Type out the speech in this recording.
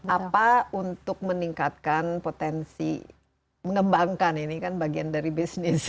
apa untuk meningkatkan potensi mengembangkan ini kan bagian dari bisnis